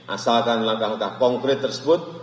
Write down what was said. asalkan langkah langkah konkret tersebut